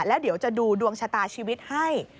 แล้วเดี๋ยวจะดูดวงชะตาชีวิตให้